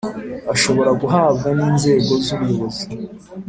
Ashobora guhabwa n inzego z ubuyobozi